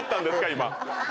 今。